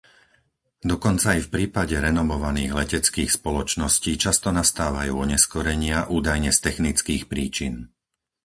Dokonca aj v prípade renomovaných leteckých spoločností často nastávajú oneskorenia údajne z technických príčin.